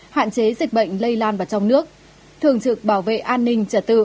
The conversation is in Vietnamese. hạn chế dịch bệnh lây lan vào trong nước thường trực bảo vệ an ninh trật tự